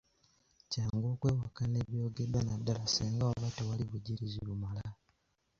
Kyangu okwewakana ebyogeddwa naddala singa waba tewaliiwo bujulizi bumala.